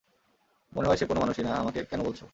মনে হয় সে কোনো মানুষই না-- আমাকে কেন বলছো।